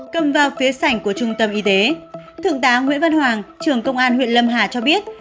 cầm vào phía sảnh của trung tâm y tế thượng tá nguyễn văn hoàng trưởng công an huyện lâm hà cho biết